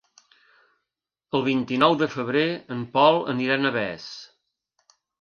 El vint-i-nou de febrer en Pol anirà a Navès.